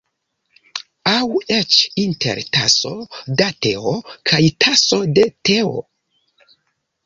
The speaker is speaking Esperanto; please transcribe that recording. Aŭ eĉ inter ‘taso da teo’ kaj ‘taso de teo’?